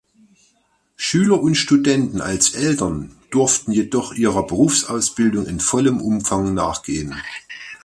Schüler und Studenten als Eltern durften jedoch ihrer Berufsausbildung in vollem Umfang nachgehen.